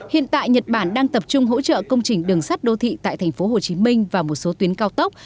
hiện tại nhật bản đang tập trung hỗ trợ công trình đường sắt đô thị tại tp hcm và một số tuyến cao tốc